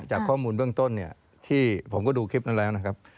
จากข้อมูลเบื้องต้นเนี่ยที่ผมก็ดูคลิปนั้นแล้วนะครับ